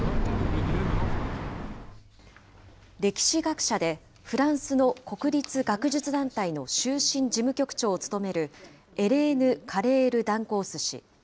歴史学者でフランスの国立学術団体の終身事務局長を務める、エレーヌ・カレールダンコース氏。